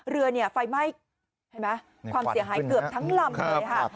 เรือไฟไหม้ความเสียหายเกือบทั้งลำเลย